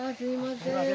すいません。